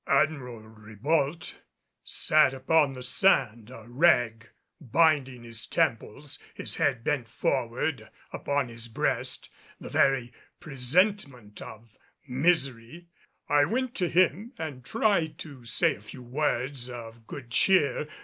Admiral Ribault sat upon the sand, a rag binding his temples, his head bent forward upon his breast, the very presentment of misery. I went to him and tried to say a few words of good cheer.